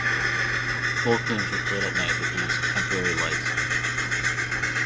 Both games were played at night with the use of temporary lights.